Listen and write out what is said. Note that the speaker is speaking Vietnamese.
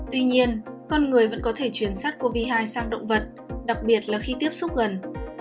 tuy nhiên con người vẫn có thể chuyển sát covid hai sang động vật đặc biệt là khi tiếp xúc gần